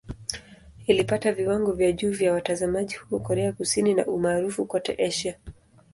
Ilipata viwango vya juu vya watazamaji huko Korea Kusini na umaarufu kote Asia.